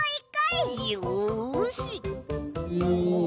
よし！